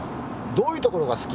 どういうところが好き？